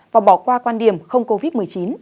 và bỏ qua quan điểm không covid một mươi chín